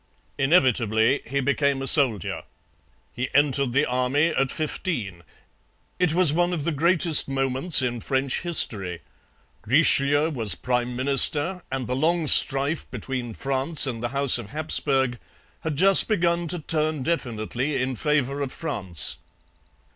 Inevitably he became a soldier. He entered the army at fifteen. It was one of the greatest moments in French history. Richelieu was prime minister, and the long strife between France and the House of Hapsburg had just begun to turn definitely in favour of France.